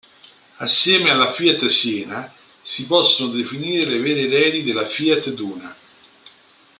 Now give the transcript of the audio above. Assieme alla Fiat Siena si possono definire le vere eredi della Fiat Duna.